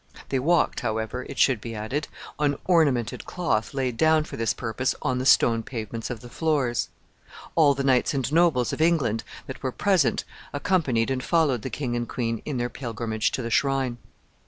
They walked, however, it should be added, on ornamented cloth laid down for this purpose on the stone pavements of the floors. All the knights and nobles of England that were present accompanied and followed the king and queen in their pilgrimage to the shrine.